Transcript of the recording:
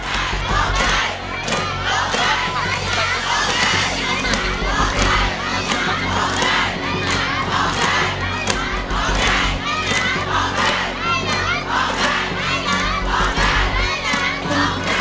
ร้องได้ร้องได้ร้องได้ร้องได้